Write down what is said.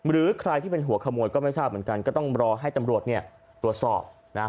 หรือใครที่เป็นหัวขโมยก็ไม่ทราบเหมือนกันก็ต้องรอให้ตำรวจเนี่ยตรวจสอบนะฮะ